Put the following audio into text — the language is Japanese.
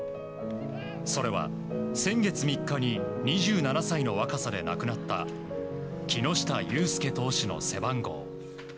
それは、先月３日に２７歳の若さで亡くなった木下雄介投手の背番号。